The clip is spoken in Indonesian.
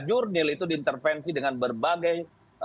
jurnil itu diintervensi dengan berbagai